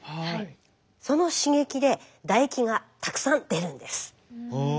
その刺激で唾液がたくさん出るんです。